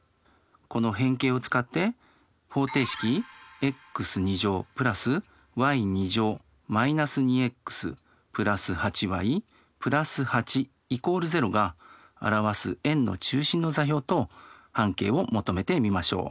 この変形を使って方程式ｘ＋ｙ−２ｘ＋８ｙ＋８＝０が表す円の中心の座標と半径を求めてみましょう。